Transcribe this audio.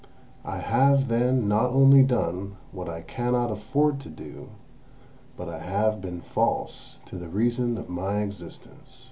I have, then, not only done what I cannot afford to do, but I have been false to the reason of my existence."